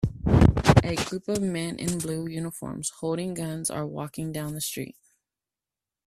A group of men in blue uniforms, holding guns are walking down the street.